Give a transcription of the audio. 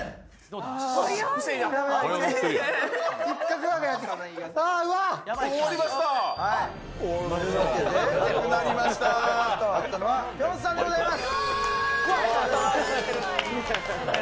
飼ったのはぴょんさんでございます。